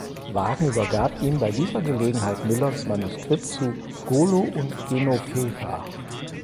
Waagen übergab ihm bei dieser Gelegenheit Müllers Manuskript zu „Golo und Genovefa“.